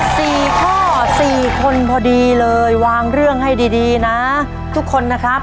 สี่ข้อสี่คนพอดีเลยวางเรื่องให้ดีดีนะทุกคนนะครับ